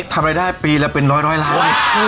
ทำรายได้ปีละเป็นร้อยล้าน